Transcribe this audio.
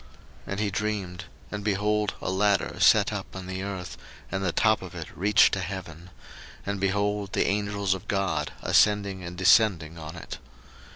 01:028:012 And he dreamed, and behold a ladder set up on the earth, and the top of it reached to heaven: and behold the angels of God ascending and descending on it.